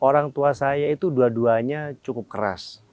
orang tua saya itu dua duanya cukup keras